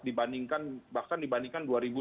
dibandingkan bahkan dibandingkan dua ribu dua puluh